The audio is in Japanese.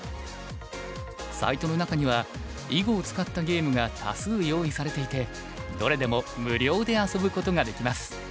サイトの中には囲碁を使ったゲームが多数用意されていてどれでも無料で遊ぶことができます。